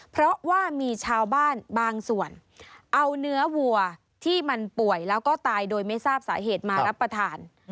เพราะว่ามีชาวบ้านบางส่วนเอาเนื้อวัวที่มันป่วยแล้วก็ตายโดยไม่ทราบสาเหตุมารับประทาน